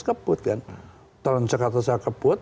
kebut kan kalau di jakarta saya kebut